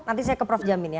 nanti saya ke prof jamin ya